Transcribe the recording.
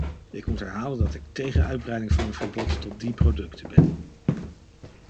Ik moet herhalen dat ik tegen uitbreiding van het verbod tot die producten ben.